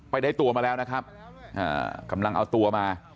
ได้ตัวมาแล้วนะครับกำลังเอาตัวมา